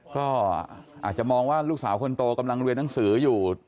ก็อาจจะมองว่าลูกสาวคนโตกำลังเรียนหนังสืออยู่